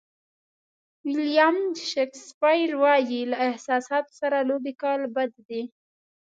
ویلیام شکسپیر وایي له احساساتو سره لوبې کول بد دي.